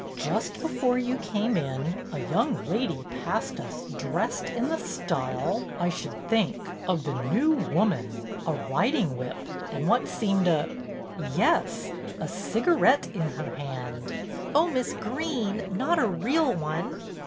'"Just before you came in, a young lady passed us dressed in the style, I should BETTY BAIRD 138 think, of The New Woman, a riding whip and what seemed a — yes — a cigarette in her hand !'"" Oh, Miss Greene, not a real one